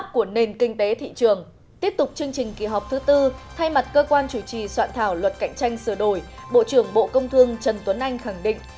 các cơ quan chủ trì soạn thảo luật cạnh tranh sửa đổi bộ trưởng bộ công thương trần tuấn anh khẳng định